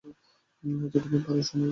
যতদিন পারো স্বামীর ঘর কর।